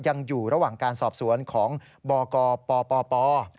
ยังอยู่ระหว่างการสอบสวนของบกปป